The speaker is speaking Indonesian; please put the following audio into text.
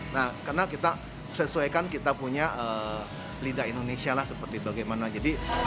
nah karena kita sesuaikan kita punya lidah indonesia lah seperti bagaimana